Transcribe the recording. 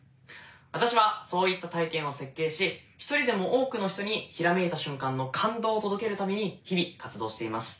私はそういった体験を設計し一人でも多くの人にひらめいた瞬間の感動を届けるために日々活動しています。